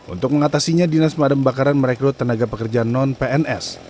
untuk mengatasinya dinas pemadam kebakaran merekrut tenaga pekerja non pns